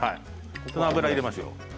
油入れましょう。